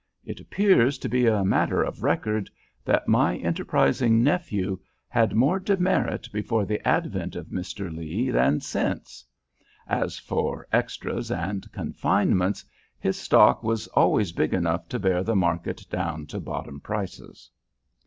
It appears to be a matter of record that my enterprising nephew had more demerit before the advent of Mr. Lee than since. As for 'extras' and confinements, his stock was always big enough to bear the market down to bottom prices."